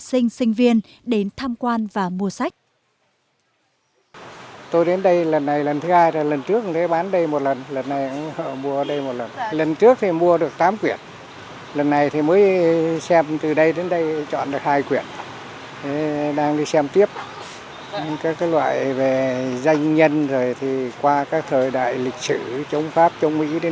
học sinh sinh viên đến tham quan và mua sách